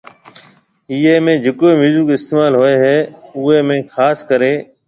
ايئيَ ۾ جِڪو ميوزڪ استعمال هوئيَ هيَ اوئيَ ۾ خاص ڪريَ